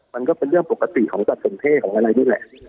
มันก็เป็นเรื่องปกติของสัตว์สนเท่ของอะไรนี่แหละ